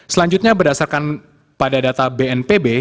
selanjutnya berdasarkan pada data bnpb